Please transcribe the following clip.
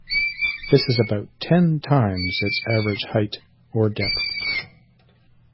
This is about ten times its average height or depth.